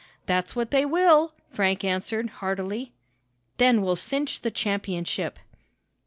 "That's what they will!" Frank answered, heartily. "Then we'll cinch the championship!"